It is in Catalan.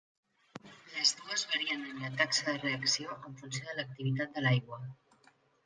Les dues varien en la taxa de reacció en funció de l'activitat de l'aigua.